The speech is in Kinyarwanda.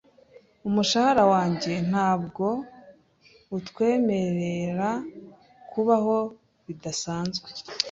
Umushahara wanjye ntabwo utwemerera kubaho bidasanzwe.